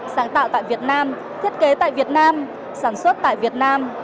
sáng tạo tại việt nam thiết kế tại việt nam sản xuất tại việt nam